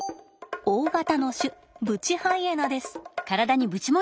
大型の種ブチハイエナです。